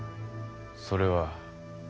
それは。